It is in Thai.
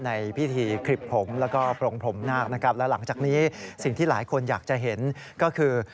ในพิธีคลิปผมแล้วก็ปรงผมนาคนะครับแล้วหลังจากนี้สิ่งที่หลายคนอยากจะเห็นก็คือ